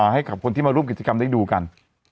ให้กับคนที่มาร่วมกิจกรรมได้ดูกัน